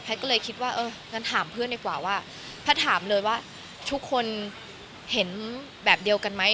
ก็เลยคิดว่าเอองั้นถามเพื่อนดีกว่าว่าแพทย์ถามเลยว่าทุกคนเห็นแบบเดียวกันไหม